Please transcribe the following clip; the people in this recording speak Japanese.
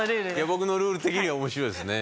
僕のルール的には面白いですね。